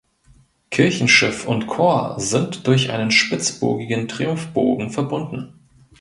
Kirchenschiff und Chor sind durch einen spitzbogigen Triumphbogen verbunden.